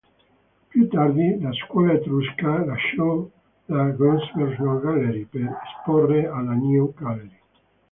Più tardi la "Scuola Etrusca" lasciò la "Grosvenor Gallery", per esporre alla "New Gallery".